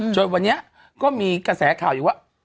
จนวันนี้ก็มีกระแสข่าวอยู่ว่า